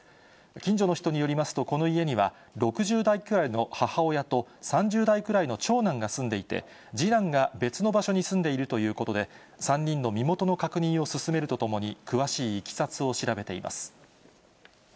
近所の人によりますと、この家には６０代くらいの母親と、３０代くらいの長男が住んでいて、次男が別の場所に住んでいるということで、３人の身元の確認を進めるとともに、詳しいいきさつを調べています。